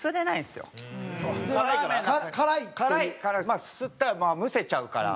すすったらむせちゃうから。